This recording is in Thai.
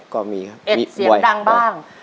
เอ็ดเสียงดังบ้าง